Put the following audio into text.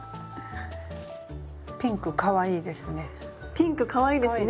ピンクかわいいですね！